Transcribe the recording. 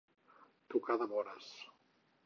Tocar de vores.